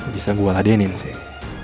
bisa gue alah denim sih